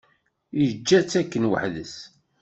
Yeǧǧa-tt akken weḥd-s.